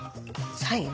サイン？